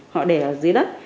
họ để ở dưới đất